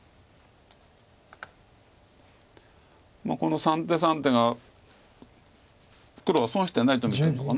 この３手３手が黒は損してないと見てるのかな。